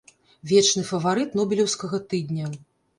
Вечны фаварыт нобелеўскага тыдня.